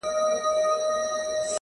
• یارانو لوبه اوړي د اسمان څه به کوو؟,